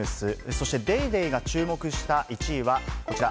そして『ＤａｙＤａｙ．』が注目した１位はこちら。